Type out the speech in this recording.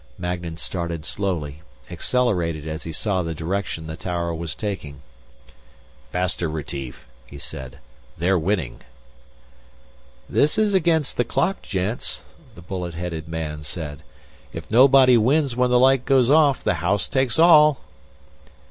Magnan started slowly, accelerated as he saw the direction the tower was taking. "Faster, Retief," he said. "They're winning." "This is against the clock, gents," the bullet headed man said. "If nobody wins when the light goes off, the house takes all."